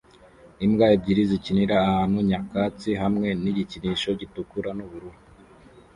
Imbwa ebyiri zikinira ahantu nyakatsi hamwe nigikinisho gitukura nubururu